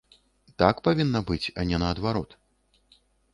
Так павінна быць, а не наадварот.